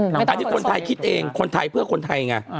องค์ทายคิดเองคนไทยเพื่อคนไทยแงะ